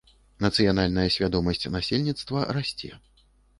Нацыянальная свядомасць насельніцтва расце.